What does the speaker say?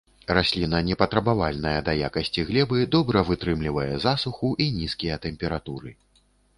Расліна не патрабавальная да якасці глебы, добра вытрымлівае засуху і нізкія тэмпературы.